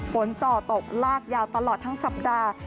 จ่อตกลากยาวตลอดทั้งสัปดาห์